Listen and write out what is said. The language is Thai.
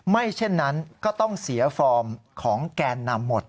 เช่นนั้นก็ต้องเสียฟอร์มของแกนนำหมด